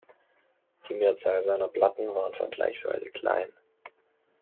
Die Mehrzahl seiner Platten waren vergleichsweise klein.